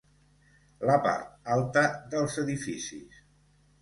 La part alta dels edificis.